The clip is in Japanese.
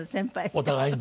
お互いに。